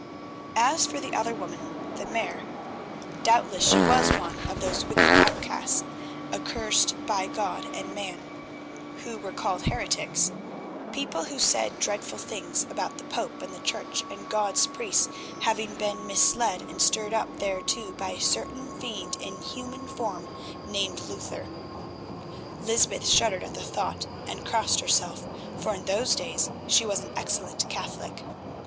As for the other woman, the Mare, doubtless she was one of those wicked outcasts, accursed by God and man, who were called heretics; people who said dreadful things about the Pope and the Church and God's priests, having been misled and stirred up thereto by a certain fiend in human form named Luther. Lysbeth shuddered at the thought and crossed herself, for in those days she was an excellent Catholic.